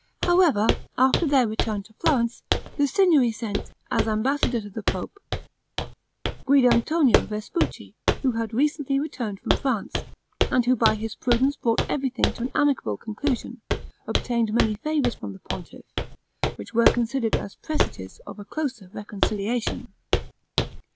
However, after their return to Florence, the Signory sent, as ambassador to the pope, Guidantonio Vespucci, who had recently returned from France, and who by his prudence brought everything to an amicable conclusion, obtained many favors from the pontiff, which were considered as presages of a closer reconciliation.